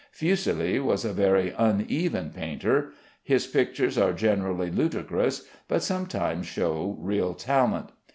Fuseli was a very uneven painter. His pictures are generally ludicrous, but sometimes show real talent.